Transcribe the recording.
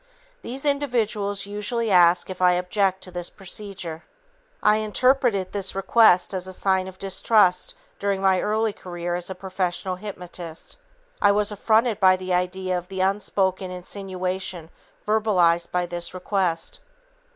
These individuals usually ask if I object to this procedure. I interpreted this request as a sign of distrust during my early career as a professional hypnotist. I was affronted by the idea of the unspoken insinuation verbalized by this request.